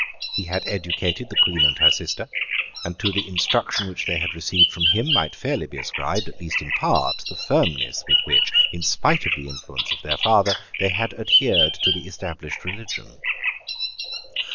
He had educated the Queen and her sister; and to the instruction which they had received from him might fairly be ascribed, at least in part, the firmness with which, in spite of the influence of their father, they had adhered to the established religion.